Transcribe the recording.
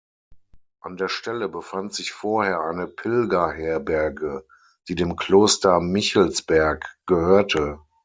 An der Stelle befand sich vorher eine Pilgerherberge, die dem Kloster Michelsberg gehörte.